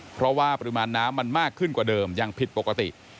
เพราะว่าปริมาณน้ำมันมากขึ้นกว่าเดิมอย่างผิดปกติ